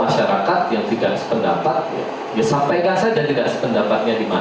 ya sampaikan saja tidak sependapatnya di mana